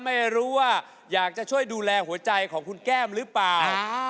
ไม่รู้ว่าอยากจะช่วยดูแลหัวใจของคุณแก้มหรือเปล่า